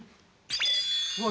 うわ！